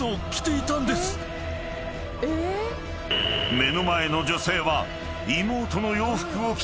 ［目の前の女性は］